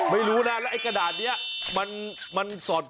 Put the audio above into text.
ไม่รู้นะแล้วไอ้กระดาษนี้มันสด